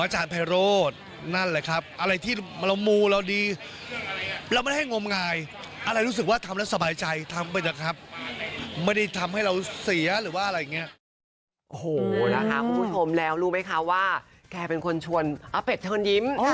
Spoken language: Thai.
โอ้โหนะคะคุณผู้ชมแล้วรู้ไหมคะว่าแกเป็นคนชวนอาเป็ดเชิญยิ้ม